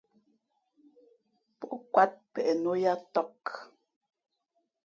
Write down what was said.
Pó kwāt peʼ nō yāā tāk.